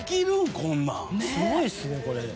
すごいですねこれ。